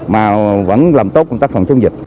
mà vẫn làm tốt công tác phòng chống dịch